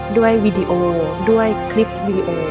วีดีโอด้วยคลิปวีดีโอ